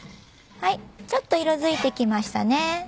ちょっと色づいてきましたね。